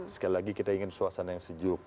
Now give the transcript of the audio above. sekali lagi kita ingin suasana yang sejuk